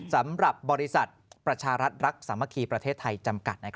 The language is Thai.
สำหรับบริษัทประชารัฐรักสามัคคีประเทศไทยจำกัด